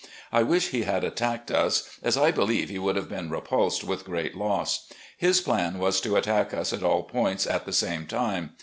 I wish he had attacked us, as I believe he would have been repulsed with great loss. His plan was to attack us at all points at the same time.